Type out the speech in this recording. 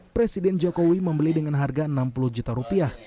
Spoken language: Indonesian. presiden jokowi membeli dengan harga enam puluh juta rupiah